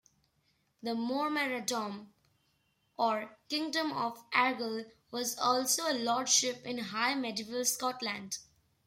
The Mormaerdom" or Kingdom of Argyll" was also a lordship in High Medieval Scotland.